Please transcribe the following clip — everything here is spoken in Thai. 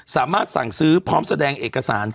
สามารถสั่งซื้อพร้อมแสดงเอกสาร